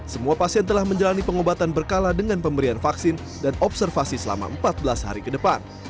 semua pasien telah menjalani pengobatan berkala dengan pemberian vaksin dan observasi selama empat belas hari ke depan